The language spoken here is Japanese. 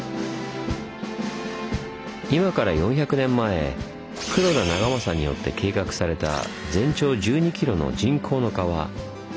今から４００年前黒田長政によって計画された全長１２ｋｍの人工の川「遠賀堀川」の一部です。